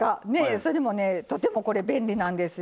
でもね、とてもこれ便利なんですよ。